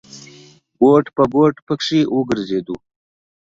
ګوټ په ګوټ پکې وګرځېدو.